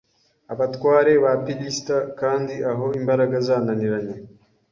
abatware ba Pilista kandi aho imbaraga zananiranye